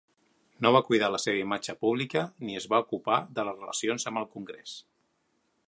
No va cuidar la seva imatge pública, ni es va ocupar de les relacions amb el Congrés.